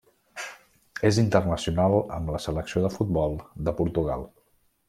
És internacional amb la selecció de futbol de Portugal.